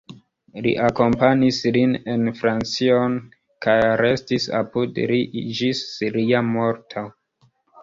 Li akompanis lin en Francion kaj restis apud li ĝis lia morto.